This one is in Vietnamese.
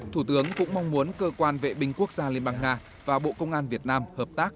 thủ tướng cũng mong muốn cơ quan vệ binh quốc gia liên bang nga và bộ công an việt nam hợp tác